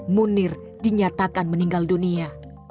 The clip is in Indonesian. munir dinyatakan meninggal dunia